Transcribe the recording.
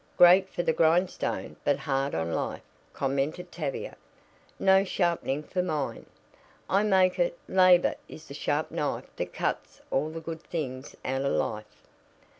"Great for the grindstone, but hard on life," commented Tavia. "No sharpening for mine. I make it 'Labor is the sharp knife that cuts all the good things out of life.'"